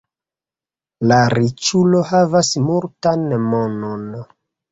La riĉulo havas multan monon.